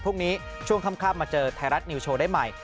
พรุ่งนี้ช่วงค่ำมาเจอไทยรัฐนิวโชว์ได้ใหม่